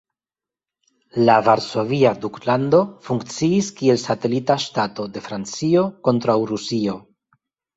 La Varsovia Duklando funkciis kiel satelita ŝtato de Francio kontraŭ Rusio.